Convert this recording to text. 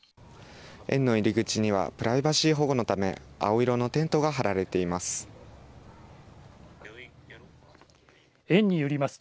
園の入り口にはプライバシー保護のため青色のテントが張られています。